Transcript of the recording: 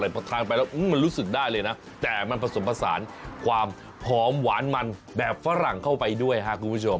แต่พอทานไปแล้วมันรู้สึกได้เลยนะแต่มันผสมผสานความหอมหวานมันแบบฝรั่งเข้าไปด้วยครับคุณผู้ชม